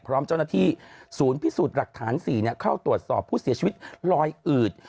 พร้อมเจ้าหน้าที่ศูนย์พิสูจน์หลักฐาน๔เข้าตรวจสอบผู้เสียชีวิตลอยอืด